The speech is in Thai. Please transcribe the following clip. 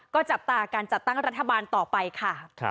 ก็จับตาการจัดตั้งรัฐบาลต่อไปค่ะ